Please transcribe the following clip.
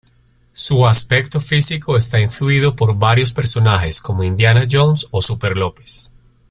Su aspecto físico está influido por varios personajes como Indiana Jones o Superlópez.